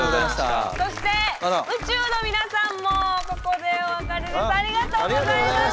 そして宇宙の皆さんもここでお別れです。